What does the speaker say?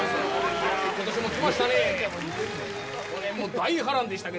今年も来ましたね。